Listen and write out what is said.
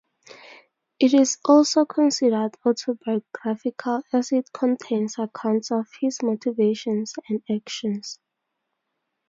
It is also considered autobiographical as it contains accounts of his motivations and actions.